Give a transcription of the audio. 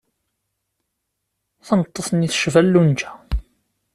Tameṭṭut-nni tecba Lunja.